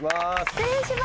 失礼しまーす。